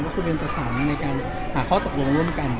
ก็คือเป็นประสานในการหาข้อตกลงร่วมกัน